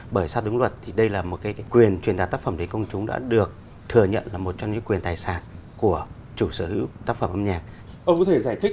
bởi sao đúng luật thì đây là một quyền truyền tả tác phẩm đến công chúng đã được thừa nhận là một trong những quyền tài sản của chủ sở hữu tác phẩm âm nhạc